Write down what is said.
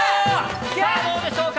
どうでしょうか。